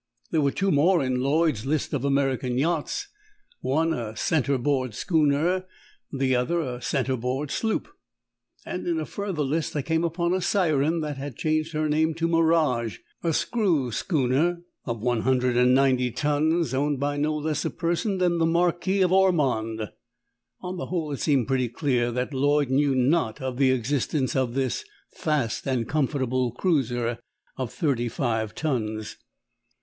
There were two more in Lloyd's List of American Yachts one a centre board schooner, the other a centre board sloop; and, in a further list, I came upon a Siren that had changed her name to Mirage a screw schooner of one hundred and ninety tons, owned by no less a person than the Marquis of Ormonde. On the whole it seemed pretty clear that Lloyd knew not of the existence of this "fast and comfortable cruiser" of thirty five tons.